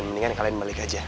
mendingan kalian balik aja